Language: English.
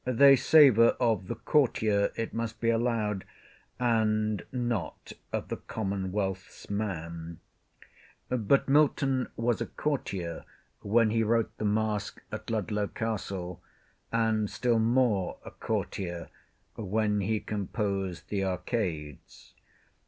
They savour of the Courtier, it must be allowed, and not of the Commonwealthsman. But Milton was a Courtier when he wrote the Masque at Ludlow Castle, and still more a Courtier when he composed the Arcades.